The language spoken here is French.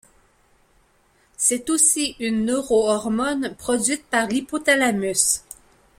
C'est aussi une neurohormone produite par l'hypothalamus.